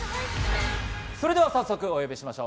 それでは早速、お呼びしましょう。